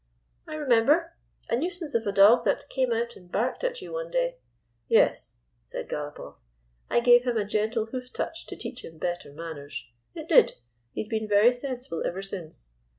" I remember. A nuisance of a dog that came out and barked at you one day —"" Yes," said Galopoff, " I gave him a gentle hoof touch to teach him better manners. It did. He has been very sensible ever since.